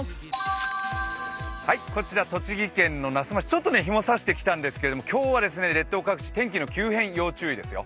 こちら栃木県の那須町、ちょっと日も差してきたんですけど、今日は列島各地、天気の急変、要注意ですよ。